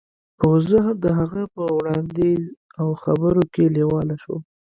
خو زه د هغه په وړاندیز او خبرو کې لیواله شوم